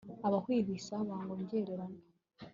abahwihwisa bongorerana